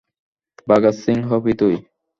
ভাগাত সিং হবি তুই।